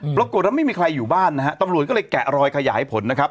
ปรากฏว่าไม่มีใครอยู่บ้านนะฮะตำรวจก็เลยแกะรอยขยายผลนะครับ